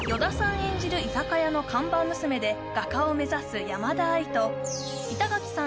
演じる居酒屋の看板娘で画家を目指す山田愛と板垣さん